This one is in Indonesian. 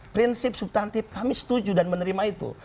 prinsip subtantif kami setuju dan menerima itu